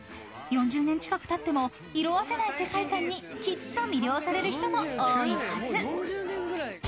［４０年近くたっても色あせない世界観にきっと魅了される人も多いはず］